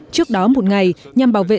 trước đó một ngày nhằm bảo vệ